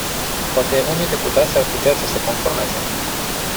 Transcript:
Poate unii deputați ar putea să se conformeze.